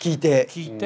聞いて。